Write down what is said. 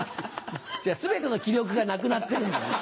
全ての気力がなくなってるんだね。